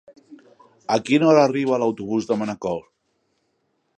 A quina hora arriba l'autobús de Manacor?